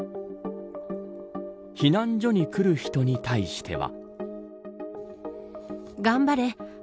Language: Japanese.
避難所に来る人に対しては。